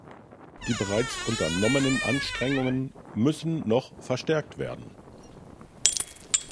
Die bereits unternommenen Anstrengungen müssen noch verstärkt werden.